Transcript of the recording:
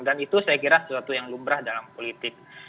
dan itu saya kira sesuatu yang lumrah dalam politik